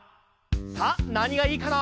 さあなにがいいかな？